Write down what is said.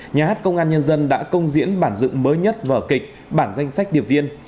nhà hát công an nhân dân đã công diễn bản dựng mới nhất vở kịch bản danh sách điệp viên